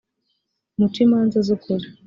muce imanza z ukuri